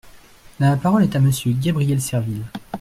La parole est à Monsieur Gabriel Serville.